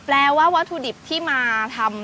ว่าวัตถุดิบที่มาทำ